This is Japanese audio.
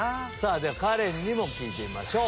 ではカレンにも聞いてみましょう。